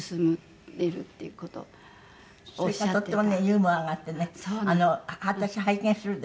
とってもねユーモアがあってね私拝見するでしょ。